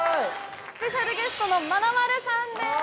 スペシャルゲストのまなまるでーす！